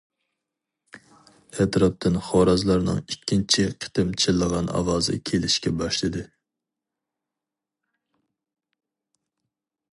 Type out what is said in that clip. ئەتراپتىن خورازلارنىڭ ئىككىنچى قېتىم چىللىغان ئاۋازى كېلىشكە باشلىدى.